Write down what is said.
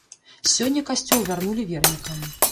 Сёння касцёл вярнулі вернікам.